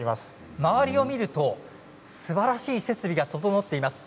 周りを見るとすばらしい設備が整っています。